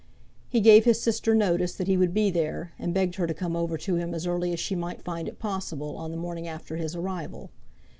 He gave his sister notice that he would be there, and begged her to come over to him as early as she might find it possible on the morning after his arrival.